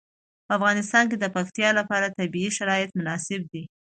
په افغانستان کې د پکتیا لپاره طبیعي شرایط مناسب دي.